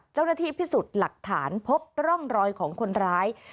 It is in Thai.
เจ้าหน้าที่พิสูจน์หลักฐานพบร่องรอยของคนร้าย